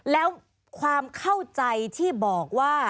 แล้วความเข้าใจที่บอกว่า